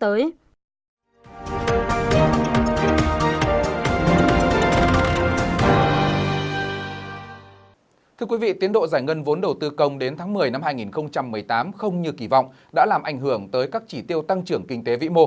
thưa quý vị tiến độ giải ngân vốn đầu tư công đến tháng một mươi năm hai nghìn một mươi tám không như kỳ vọng đã làm ảnh hưởng tới các chỉ tiêu tăng trưởng kinh tế vĩ mô